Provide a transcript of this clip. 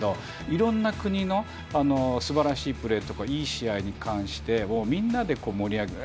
いろんな国のすばらしいプレーやいい試合に関してはみんなで盛り上げる。